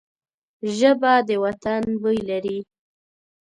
ژبه د وطن بوی لري